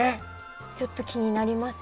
ちょっと気になりますよね。